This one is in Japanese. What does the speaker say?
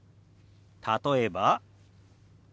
例えば。